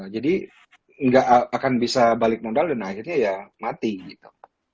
jadi nggak akan bisa balik modal dan akhirnya ya mati gitu